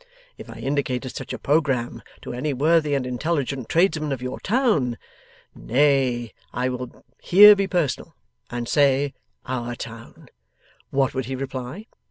If I indicated such a programme to any worthy and intelligent tradesman of your town nay, I will here be personal, and say Our town what would he reply?